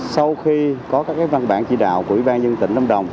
sau khi có các văn bản chỉ đạo của ủy ban nhân tỉnh lâm đồng